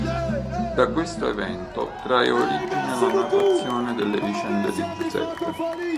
Da questo evento trae origine la narrazione delle vicende di Giuseppe.